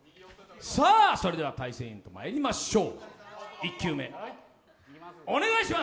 それでは対戦へとまいりましょう。